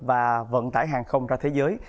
và vận tải hàng không ra thế giới